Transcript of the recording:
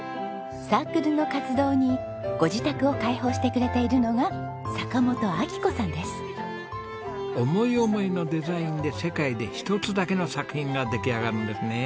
サークルの活動にご自宅を開放してくれているのが思い思いのデザインで世界で一つだけの作品が出来上がるんですね。